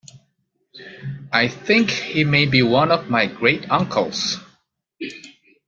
I think he may be one of my great uncles.